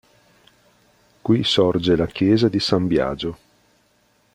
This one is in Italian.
Qui sorge la Chiesa di San Biagio.